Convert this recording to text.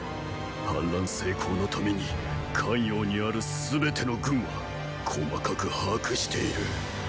反乱成功のために咸陽にある全ての軍は細かく把握している。